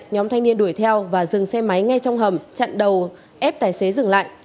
nhóm thanh niên đuổi theo và dừng xe máy ngay trong hầm chặn đầu ép tài xế dừng lại